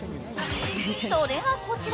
それがこちら